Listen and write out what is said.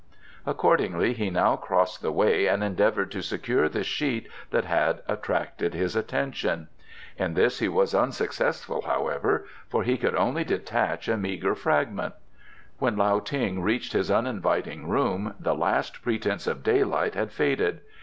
Accordingly he now crossed the way and endeavoured to secure the sheet that had attracted his attention. In this he was unsuccessful, however, for he could only detach a meagre fragment. When Lao Ting reached his uninviting room the last pretence of daylight had faded.